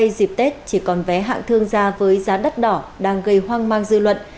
dịp tết chỉ còn vé hạng thương gia với giá đắt đỏ đang gây hoang mang dư luận